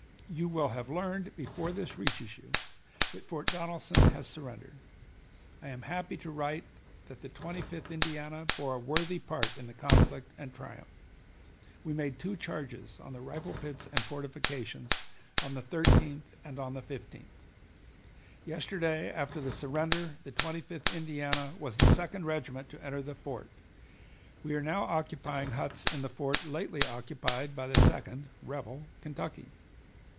You will have learned before this reaches you that Fort Donelson has surrendered. I am happy to write that the Twenty fifth Indiana bore a worthy part in the conflict and triumph. We made two charges on the rifle pits and fortifications, on the 13th and on the 15th. Yesterday, after the surrender, the Twenty fifth Indiana was the second regiment to enter the fort. We are now occupying huts in the fort lately occupied by the Second (rebel) Kentucky.